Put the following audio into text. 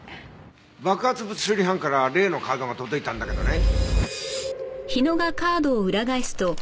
爆発物処理班から例のカードが届いたんだけどね。